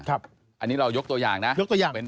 อันนี้เรายกตัวอย่างนะ